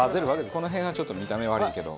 この辺がちょっと見た目悪いけど。